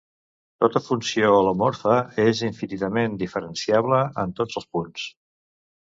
Tota funció holomorfa és infinitament diferenciable en tots els punts.